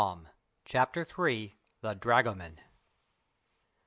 CHAPTER III. THE DRAGOMAN.